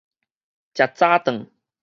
食早頓